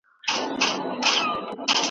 انټرنیټ باید په ګټه وکارول شي.